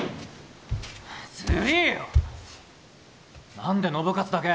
何で信勝だけ！？